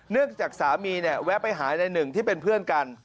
เนื่องจากสามีแวะไปหานายหนึ่งที่เป็นเพื่อนกัน